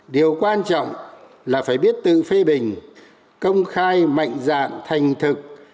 điều quan trọng là phải biết tự phê bình công khai mạnh dạng thành thực